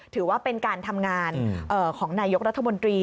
ถือว่าเป็นการทำงานของนายกรัฐมนตรี